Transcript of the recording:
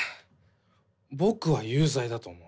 ぼくは有罪だと思う。